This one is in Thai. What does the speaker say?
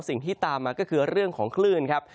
สิ่งที่ตามมาก็คือเรื่องของคลื่นครับ